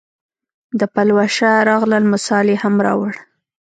د پلوشه راغلل مثال یې هم راووړ.